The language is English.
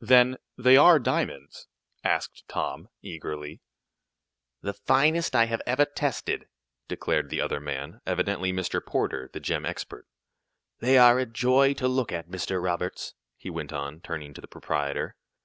"Then they are diamonds?" asked Tom, eagerly. "The finest I have ever tested!" declared the other man, evidently Mr. Porter, the gem expert. "They are a joy to look at, Mr. Roberts," he went on, turning to the proprietor.